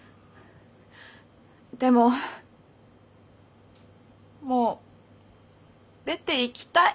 でももう出ていきたい。